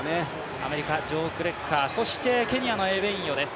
アメリカ、ジョー・クレッカーケニアのエベンヨです。